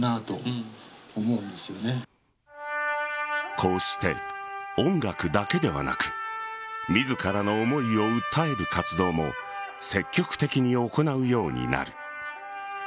こうして音楽だけではなく自らの思いを訴える活動も積極的に行うようになる。